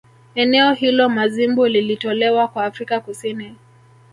Eneo hilo Mazimbu lilitolewa kwa Afrika Kusini